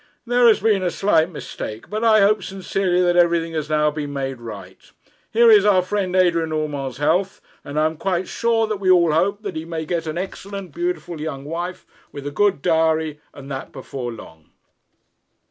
'There has been a slight mistake, but I hope sincerely that everything has now been made right. Here is our friend Adrian Urmand's health, and I am quite sure that we all hope that he may get an excellent, beautiful young wife, with a good dowry, and that before long.'